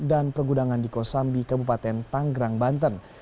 dan pergudangan di kosambi kabupaten tanggerang banten